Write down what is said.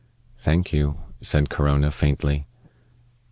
"Thank you," said Corona, faintly.